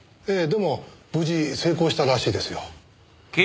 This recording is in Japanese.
でも無事成功したらしいですよ。